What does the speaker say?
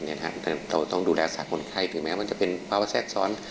แต่เราต้องดูแลรักษาคนไข้ถึงแม้มันจะเป็นภาวะแทรกซ้อน